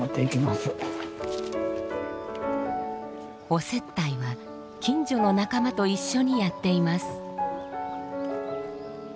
お接待は近所の仲間と一緒にやっています。